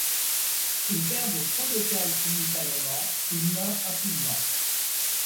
S'ils perdent trop d'écailles simultanément, ils meurent rapidement.